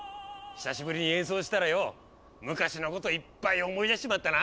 久しぶりに演奏したらよ昔のこといっぱい思い出しちまったな。